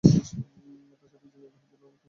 মাদ্রাসাটি ঝিনাইদহ জেলার অন্যতম প্রাচীন মাদ্রাসা।